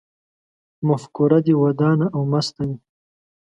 مفکوره دې ودانه او مسته وي